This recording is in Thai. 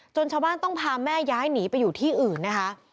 ชาวบ้านต้องพาแม่ย้ายหนีไปอยู่ที่อื่นนะคะ